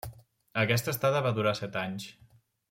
Aquesta estada va durar set anys.